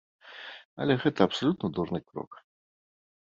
Але гэта абсалютна дурны крок.